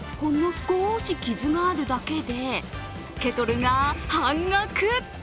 すこーし傷があるだけでケトルが半額。